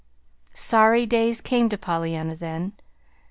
Sorry days came to Pollyanna then.